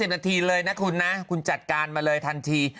นาทีเลยนะคุณนะคุณจัดการมาเลยทันที